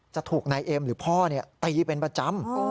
จะถูกนายเอ็มหรือพ่อตีเป็นประจำ